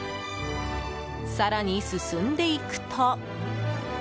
更に進んでいくと。